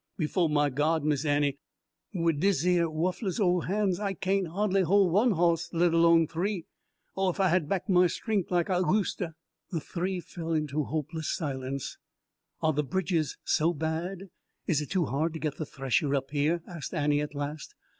"Befo' my God, Miss Annie, wid deseyer wuffless ole han's I cain' ha'dly hol' one hawss, let alone three. Oh, if I had back my stren'th lak I useter!" The three fell into hopeless silence. "Are the bridges so bad? Is it too hard to get the thresher up here?" asked Annie at last.